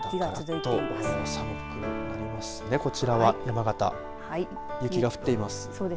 こちらは山形雪が降っています。